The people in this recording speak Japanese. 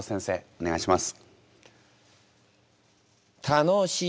お願いします。